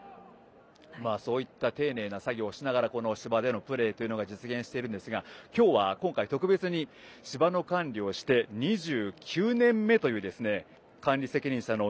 そういった丁寧な作業をしながら芝でのプレーが実現しているんですが今日は、今回特別に芝の管理をして２９年目という管理責任者の